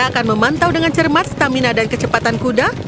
dia akan memanau dengan cermat stamina dan kecepatan kuda